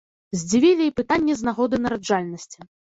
Здзівілі і пытанні з нагоды нараджальнасці.